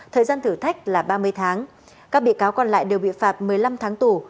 thời gian thử thách là ba mươi tháng các bị cáo còn lại đều bị phạt một mươi năm tháng tù